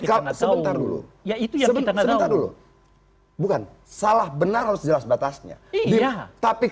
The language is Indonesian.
kalau ngetahui dulu ya itu yang kita tahu dulu bukan salah benar harus jelas batasnya iya tapi